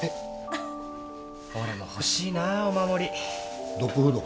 フフッ俺も欲しいなお守りドッグフードか？